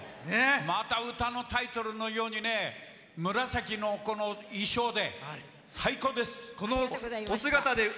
また歌のタイトルのように紫の衣装で最高です！